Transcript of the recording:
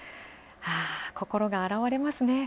心があらわれますね。